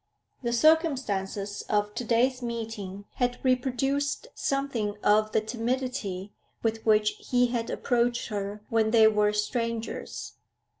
The circumstances of to day's meeting had reproduced something of the timidity with which he had approached her when they were strangers.